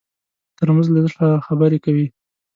ترموز له زړه سره خبرې کوي.